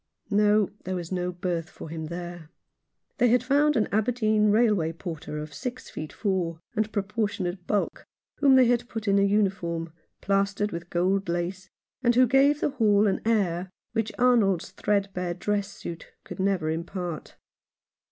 No, there was no berth for him there. They had found an Aberdeen railway porter of six feet four, and proportionate bulk, whom they had put in a uniform, plastered with gold lace, and who gave the hall an air which Arnold's threadbare dress suit could never impart.